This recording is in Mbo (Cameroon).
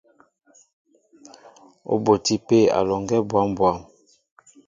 Ó botí pē alɔŋgɛ́ bwâm bwâm.